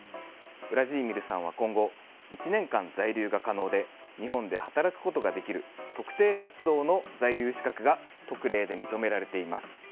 ウラジーミルさんは今後、１年間在留が可能で日本で働くことができる特定活動の在留資格が特例で認められています。